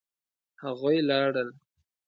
هغوی لاړل